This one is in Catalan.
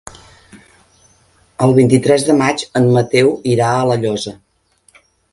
El vint-i-tres de maig en Mateu irà a La Llosa.